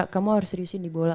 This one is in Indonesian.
kamu harus seriusin di bola